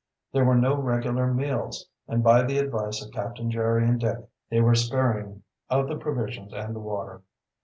There were no regular meals, and by the advice of Captain Jerry and Dick they were sparing of the provisions and the water.